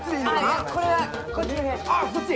あっそっち？